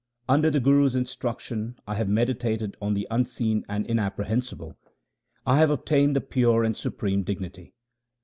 Under the Guru's instruction I have meditated on the Unseen and Inapprehensible ; I have obtained the pure and supreme dignity.